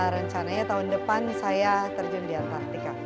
rencananya tahun depan saya terjun di antartika